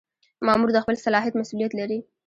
مامور د خپل صلاحیت مسؤلیت لري.